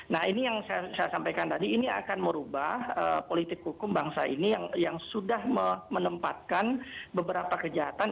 nah ini yang saya sampaikan tadi ini akan merubah politik hukum bangsa ini yang sudah menempatkan beberapa kejahatan